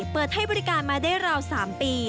เปิดให้บริการมาได้ราว๓ปี